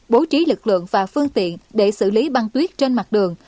bố trí lực lượng và phương tiện để xử lý băng tuyết trên mặt đường